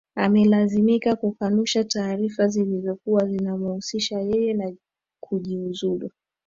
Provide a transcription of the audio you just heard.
amelazimika kukanusha taarifa zilizokuwa zinamhuzisha yeye na kujiuzulu